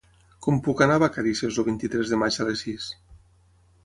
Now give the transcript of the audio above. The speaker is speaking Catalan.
Com puc anar a Vacarisses el vint-i-tres de maig a les sis?